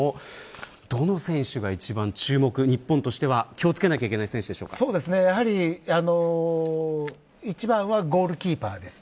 どの選手が一番日本としては気を付けなければいけないやはり一番はゴールキーパーです。